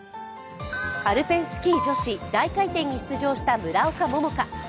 アルペンスキー女子大回転に出場した村岡桃佳。